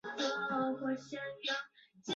天津方济堂设在天津意租界大马路。